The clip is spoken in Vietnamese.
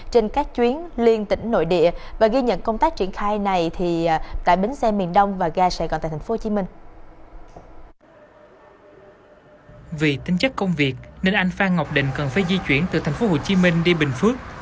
trong thời gian tới đội hình sinh viên tình cần phải di chuyển từ tp hcm đi bình phước